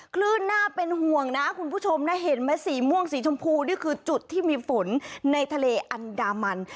น่าเป็นห่วงนะคุณผู้ชมนะเห็นไหมสีม่วงสีชมพูนี่คือจุดที่มีฝนในทะเลอันดามัน